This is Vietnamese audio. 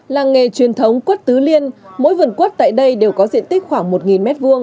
làng nghề truyền thống quất tứ liên mỗi vườn quất tại đây đều có diện tích khoảng một m hai